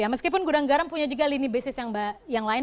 meskipun gudang garam punya juga lini bisnis yang lain